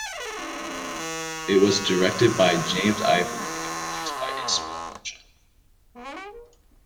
It was directed by James Ivory and produced by Ismail Merchant.